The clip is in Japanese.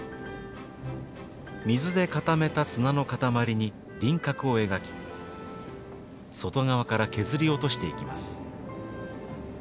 水で固めた砂の塊に輪郭を描き外側から削り落としていきます。